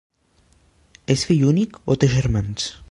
És fill únic o té germans?